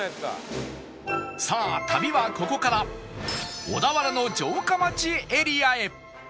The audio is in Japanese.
さあ旅はここから小田原の城下町エリアへ